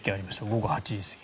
午後８時過ぎ。